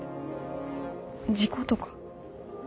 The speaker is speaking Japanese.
事故とか？